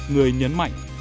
người nhấn mạnh